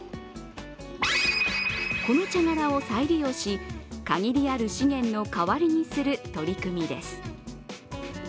この茶殻を再利用し、限りある資源の代わりにする取り組みです。